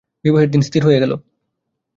বিবাহের দিন স্থির হইয়া গেল।